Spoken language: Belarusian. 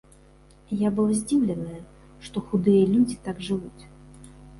Я была здзіўленая, што худыя людзі так жывуць.